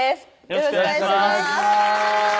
よろしくお願いします